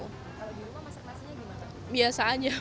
kalau di rumah masak masanya gimana